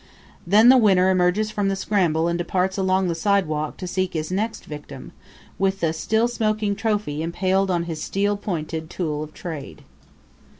Then the winner emerges from the scramble and departs along the sidewalk to seek his next victim, with the still smoking trophy impaled on his steel pointed tool of trade.